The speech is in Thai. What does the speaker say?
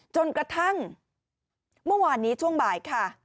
จนกระทั่งเมื่อวานนี้ช่วงบ่ายค่ะ